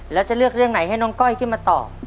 แล้วจะเลือกเรื่องไหนให้น้องก้อยขึ้นมาตอบ